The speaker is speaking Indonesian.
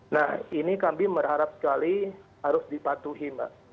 nah ini kami berharap sekali harus dipatuhi mbak